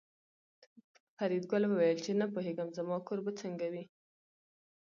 فریدګل وویل چې نه پوهېږم زما کور به څنګه وي